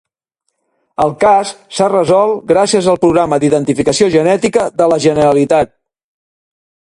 El cas s'ha resolt gràcies al programa d'identificació genètica de la Generalitat.